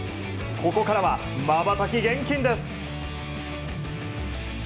ここからは、まばたき厳禁です。